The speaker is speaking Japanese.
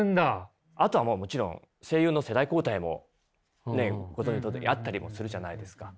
あとはもちろん声優の世代交代もねご存じのとおりあったりもするじゃないですか。